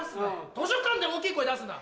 図書館で大きい声出すな。